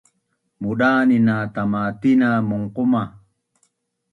Mudan na tama tina munquma